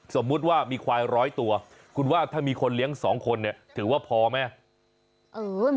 สมมุติว่ามีควายร้อยตัวคุณว่าถ้ามีคนเลี้ยง๒คนเนี่ยถือว่าพอไหม